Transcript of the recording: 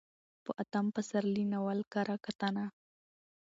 په اتم پسرلي ناول کره کتنه: